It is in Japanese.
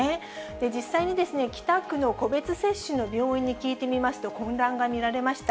実際に北区の個別接種の病院に聞いてみますと、混乱が見られました。